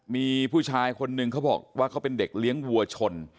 มีผู้ชายคนนึงเขาบอกว่าเขาเป็นเด็กเลี้ยงวัวชน